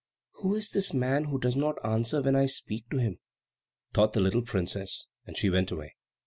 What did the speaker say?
"Who is this man who does not answer when I speak to him?" thought the little princess, and she went away.